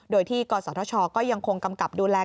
โดยที่กศธชก็ยังคงกำกับดูแล